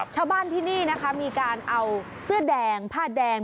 ชาวบ้านที่นี่นะคะมีการเอาเสื้อแดงผ้าแดง